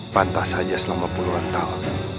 pantas saja selama puluhan tahun